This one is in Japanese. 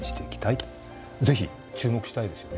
是非注目したいですよね。